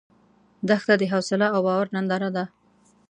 دښته د حوصله او باور ننداره ده.